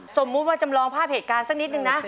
สมมุติว่าจำลองภาพเหตุการณ์สักนิดนึงนะ